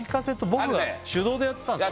僕が手動でやってたんです